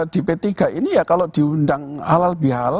di p tiga ini ya kalau diundang halal bihalal